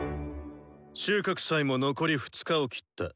収穫祭も残り２日を切った。